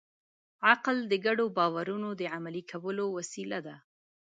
عقل د ګډو باورونو د عملي کولو وسیله ده.